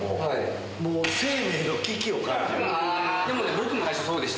僕も最初そうでした。